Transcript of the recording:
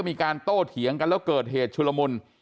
มีการโต้เถียงกันแล้วเกิดเหตุชุลมุน